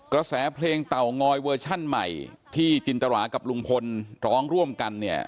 กระแสเพลงเต่างอยเวอร์ชั่นใหม่ที่จินตรากับลุงพลร้องร่วมกันเนี่ย